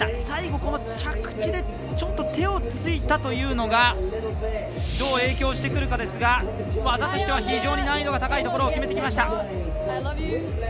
最後の着地で手をついたというのがどう影響してくるかですが技としては非常に難易度が高いところを決めてきました。